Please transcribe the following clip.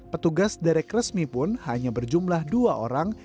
petugas derek resmi pun hanya berjumlah dua orang